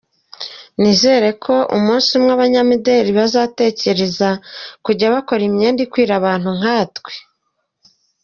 Nizera ko umunsi umwe abanyamideri bazatekereza kujya bakora imyenda ikwira abantu nkatwe.